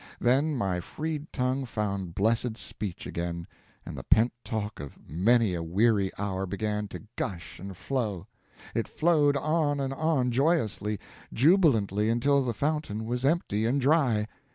Then my freed tongue found blessed speech again, and the pent talk of many a weary hour began to gush and flow. It flowed on and on, joyously, jubilantly, until the fountain was empty and dry.